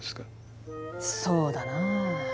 そうだなぁ。